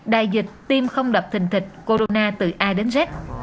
đại dịch tiêm không lập thình thịch corona từ a đến z